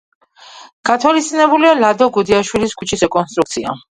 გათვალისწინებულია ლადო გუდიაშვილის ქუჩის რეკონსტრუქცია.